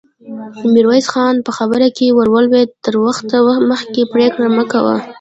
ميرويس خان په خبره کې ور ولوېد: تر وخت مخکې پرېکړه مه کوه!